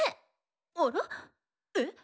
あら？え？